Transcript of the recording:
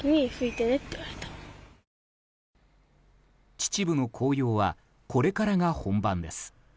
秩父の紅葉はこれからが本番です。